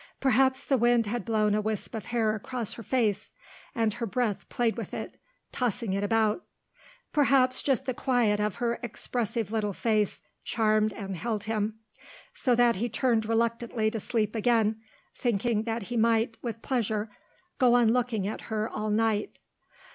Perhaps the wind had blown a wisp of hair across her face and her breath played with it, tossing it about; perhaps just the quiet of her expressive little face charmed and held him, so that he turned reluctantly to sleep again thinking that he might, with pleasure, go on looking at her all night.